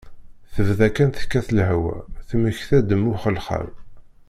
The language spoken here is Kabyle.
Tebda kan tekkat lehwa, yemmekta-d mm uxelxal.